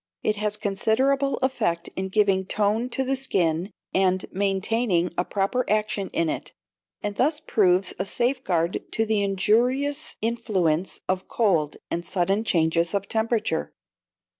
It has considerable effect in giving tone to the skin, and maintaining a proper action in it, and thus proves a safeguard to the injurious influence of cold and sudden changes of temperature.